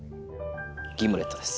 ギムレットです。